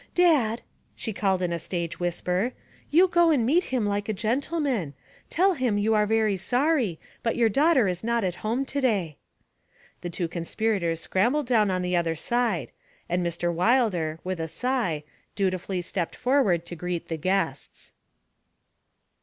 'Dad,' she called in a stage whisper, 'you go and meet him like a gentleman. Tell him you are very sorry, but your daughter is not at home to day.' The two conspirators scrambled down on the other side; and Mr. Wilder, with a sigh, dutifully stepped forward to greet the guests.